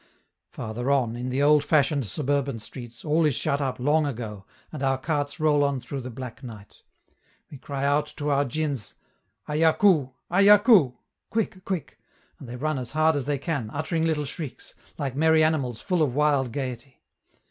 Farther on, in the old fashioned suburban streets, all is shut up long ago, and our carts roll on through the black night. We cry out to our djins: "Ayakou! ayakou!" ("Quick! quick!")and they run as hard as they can, uttering little shrieks, like merry animals full of wild gayety.